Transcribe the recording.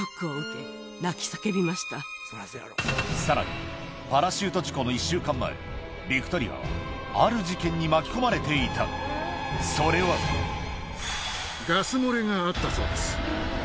さらにパラシュート事故の１週間前ビクトリアはある事件に巻き込まれていたそれはがあったそうです。